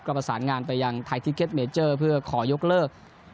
ประสานงานไปยังไทยทิเก็ตเมเจอร์เพื่อขอยกเลิก